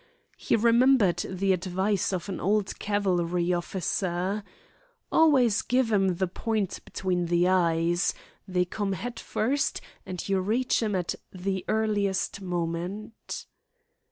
He remembered the advice of an old cavalry officer: "Always give 'em the point between the eyes. They come head first, and you reach 'em at the earliest moment."